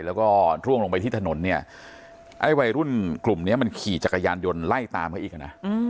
แล้วก็ร่วงลงไปที่ถนนเนี่ยไอ้วัยรุ่นกลุ่มเนี้ยมันขี่จักรยานยนต์ไล่ตามเขาอีกอ่ะนะ